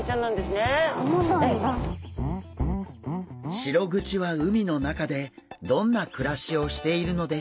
シログチは海の中でどんな暮らしをしているのでしょうか？